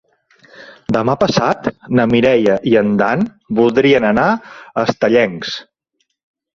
Demà passat na Mireia i en Dan voldrien anar a Estellencs.